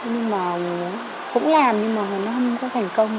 nhưng mà cũng làm nhưng mà nó không có thành công